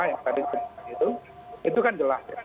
yang tadi disebut itu itu kan jelas